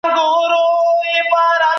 د ژوند په کچه کي به مثبت بدلون راسي.